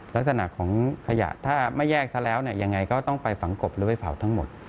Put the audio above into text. ลักษณะของขยะถ้าไม่แยกซะแล้วเนี่ยยังไงก็ต้องไปฝังกบหรือไปเผาทั้งหมด